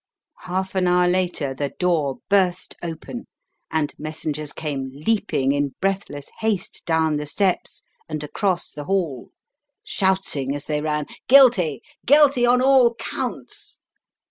Half an hour later the door burst open, and messengers came leaping in breathless haste down the steps and across the Hall, shouting as they ran, "Guilty! Guilty on all counts!"